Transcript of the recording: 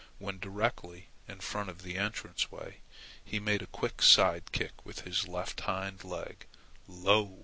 When directly in front of the entrance way, he made a quick side kick with his left hind leg. Lo!